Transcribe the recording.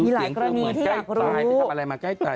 หลายกรณีที่อยากรู้